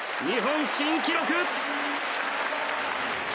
日本新記録！